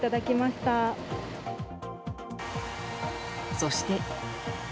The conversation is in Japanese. そして。